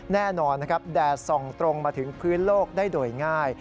แน่นอนนะครับแดดส่องตรงมาถึงพื้นโลกได้โดยง่าย